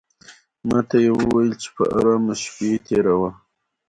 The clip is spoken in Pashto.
ماته یې وویل چې په آرامه شپې تېروه.